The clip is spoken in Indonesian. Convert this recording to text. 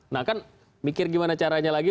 nah kan mikir gimana caranya lagi